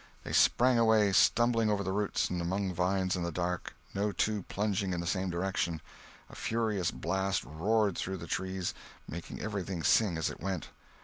They sprang away, stumbling over roots and among vines in the dark, no two plunging in the same direction. A furious blast roared through the trees, making everything sing as it went.